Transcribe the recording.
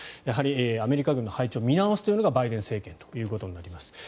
やはり、アメリカ軍の配置を見直したというのがバイデン政権になります。